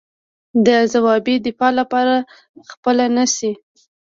د ځوابي دفاع لاره خپله نه شي.